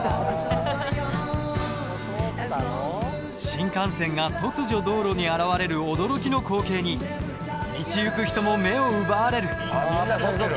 新幹線が突如道路に現れる驚きの光景に道行く人も目を奪われる。